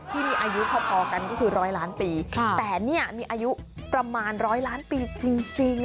ที่มีอายุพอกันก็คือร้อยล้านปีแต่เนี่ยมีอายุประมาณร้อยล้านปีจริง